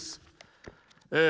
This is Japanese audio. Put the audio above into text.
え